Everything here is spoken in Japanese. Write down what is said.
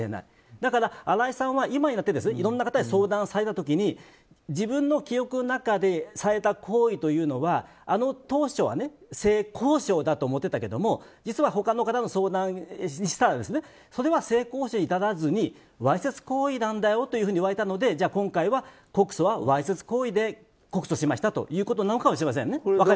だから、新井さんは今になっていろんな方に相談された時に自分の記憶の中でされた行為というのはあの当初は性交渉だと思ってたけど実は他の方に相談したらそれは性交渉に至らずにわいせつ行為なんだよと言われたのでじゃあ、今回は告訴はわいせつ行為で告訴しましたということなのかもしれません。